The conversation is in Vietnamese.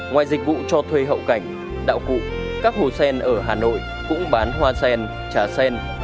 ngoài dịch vụ cho thuê hậu cảnh đạo cụ các hồ sen ở hà nội cũng bán hoa sen trà sen